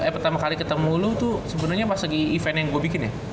pertama kali ketemu lu tuh sebenernya pas di event yang gua bikin ya